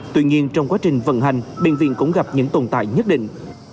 tuy nhiên trong quá trình vận hành bệnh viện cũng gặp những tồn tại nhất định